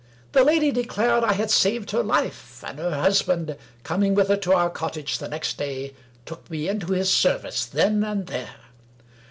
The lady declared I had saved her Hfe ; and her husband, coming with her to our cottage the next day, took me into his service then and there.